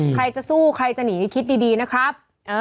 ใครจะสู้ใครจะหนีคิดดีนะครับ